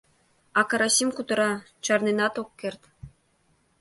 А Карасим кутыра, чарненат ок керт.